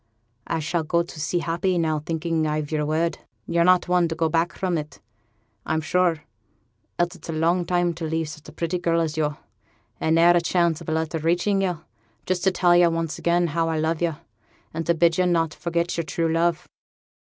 I shall go to sea happy, now, thinking I've yo'r word. Yo're not one to go back from it, I'm sure, else it's a long time to leave such a pretty girl as yo', and ne'er a chance of a letter reaching yo' just to tell yo' once again how I love yo', and to bid yo' not forget yo'r true love.'